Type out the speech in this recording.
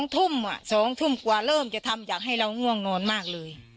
๒ทุ่ม๒ทุ่มกว่าเริ่มจะทำอยากให้เราง่วงนอนมากเลย